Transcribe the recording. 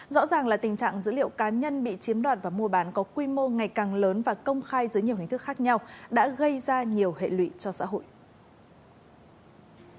rõ ràng là tình trạng dữ liệu cá nhân bị chiếm đoạt và mua bán có quy mô ngày càng lớn và công khai dưới nhiều hình thức khác nhau đã gây ra nhiều hệ lụy cho xã hội